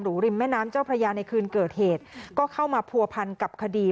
ริมแม่น้ำเจ้าพระยาในคืนเกิดเหตุก็เข้ามาผัวพันกับคดี